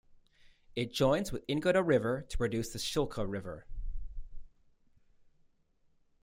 It joins with Ingoda River to produce the Shilka River.